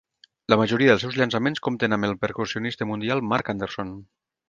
La majoria dels seus llançaments compten amb el percussionista mundial Marc Anderson.